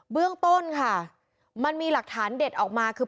เรื่องต้นค่ะมันมีหลักฐานเด็ดออกมาคือ